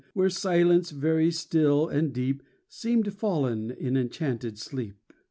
Where silence, very still and deep, Seemed fallen in enchanted sleep.